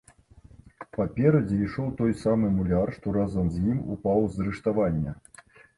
Паперадзе ішоў той самы муляр, што разам з ім упаў з рыштавання.